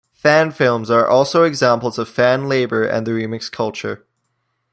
Fan films are also examples of fan labor and the remix culture.